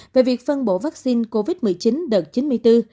về việc phân bổ vaccine covid một mươi chín đợt chín mươi bốn